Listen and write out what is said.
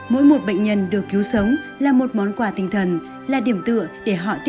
mỗi một bệnh nhân được cứu sống là một món quà tinh thần là điểm tựa để họ tiếp tục tiến lên chặng đường mới